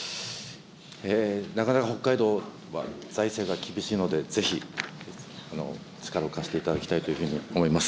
なかなか北海道は財政が厳しいので、ぜひ力を貸していただきたいというふうに思います。